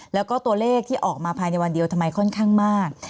แล้วก็ตัวเลขที่ออกมาภายในวันเดียวทำไมค่อนข้างมาก